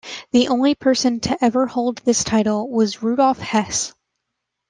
The only person to ever hold this title was Rudolf Hess.